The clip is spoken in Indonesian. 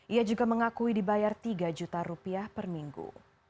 ia juga mengakui dibayar tiga juta rupiah per minggu